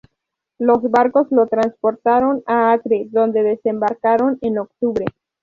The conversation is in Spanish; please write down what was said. Los barcos los transportaron a Acre, donde desembarcaron en octubre.